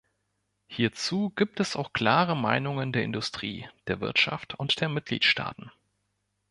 Hierzu gibt es auch klare Meinungen der Industrie, der Wirtschaft und der Mitgliedstaaten.